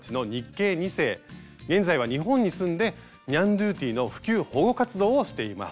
現在は日本に住んでニャンドゥティの普及保護活動をしています。